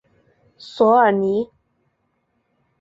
索尔尼。